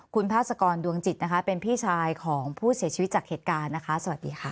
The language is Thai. คุณพาสกรดวงจิตนะคะเป็นพี่ชายของผู้เสียชีวิตจากเหตุการณ์นะคะสวัสดีค่ะ